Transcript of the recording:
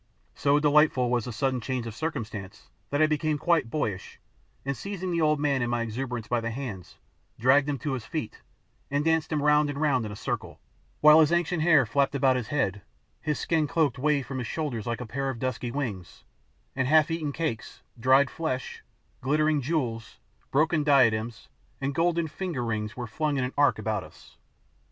So delightful was the sudden change of circumstances that I became quite boyish, and seizing the old man in my exuberance by the hands, dragged him to his feet, and danced him round and round in a circle, while his ancient hair flapped about his head, his skin cloak waved from his shoulders like a pair of dusky wings and half eaten cakes, dried flesh, glittering jewels, broken diadems, and golden finger rings were flung in an arc about us.